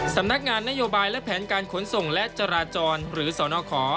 สำนักงานนโยบายและแผนการขนส่งและจราจรหรือสนขอ